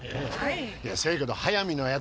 いやせやけど速水の奴